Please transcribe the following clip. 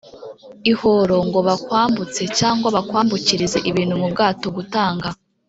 ihooro ngo bakwambutse cyangwa bakwambukirize ibintu mu bwato gutanga